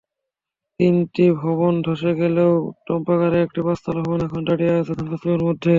তিনটি ভবন ধসে গেলেও টাম্পাকোর একটি পাঁচতলা ভবন এখনো দাঁড়িয়ে আছে ধ্বংসস্তূপের মধ্যে।